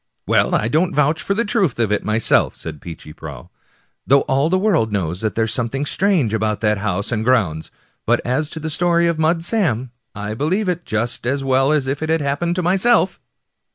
" Well, I don't vouch for the truth of it myself," said Peechy Prauw, *' though all the world knows that there's something strange about that house and grounds ; but as to the story of Mud Sam, I believe it just as well as if it had happened to myself."